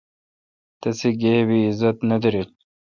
تسی گیب اعزت نہ دارل۔